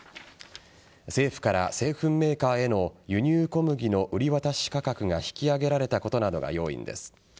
政府から製粉メーカーへの輸入小麦の売り渡し価格が引き上げられたことなどが要因です。